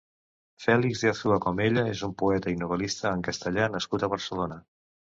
Félix de Azúa Comella és un poeta i novel·lista en castellà nascut a Barcelona.